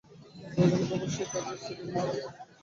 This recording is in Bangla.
রজনী ভাবিল সে কাছে আসাতেই বুঝি মহেন্দ্র চলিয়া গেল।